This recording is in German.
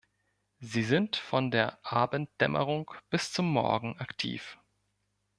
Sie sind von der Abenddämmerung bis zum Morgen aktiv.